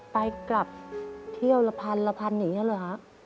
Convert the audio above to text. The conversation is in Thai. ไปกลับเที่ยวละพันละพันอย่างนี้เหรอฮะ